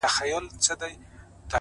خاموش صبر لوی بدلون زېږوي،